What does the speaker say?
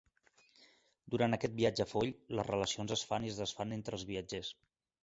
Durant aquest viatge foll, les relacions es fan i es desfan entre els viatgers.